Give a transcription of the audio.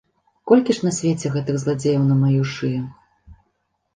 Колькі ж на свеце гэтых зладзеяў на маю шыю!